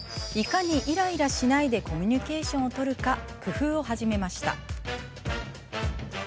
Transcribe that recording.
いかにイライラしないでコミュニケーションを取るか工夫を始めました。